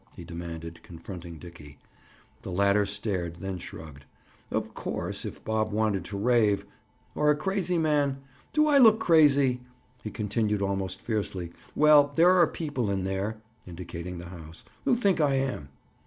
he demanded, confronting Dickie. The latter stared, then shrugged. Of course, if Bob wanted to rave—? "Or a crazy man? Do I look crazy?" he continued almost fiercely. "Well, there are people in there," indicating the house, "who think I am."